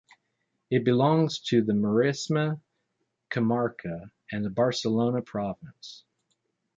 It belongs to the Maresme comarca and the Barcelona province.